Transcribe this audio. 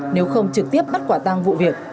nếu không trực tiếp bắt quả tăng vụ việc